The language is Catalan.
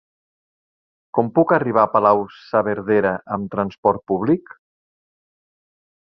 Com puc arribar a Palau-saverdera amb trasport públic?